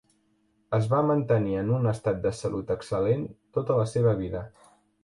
Es va mantenir en un estat de salut excel·lent tota la seva vida.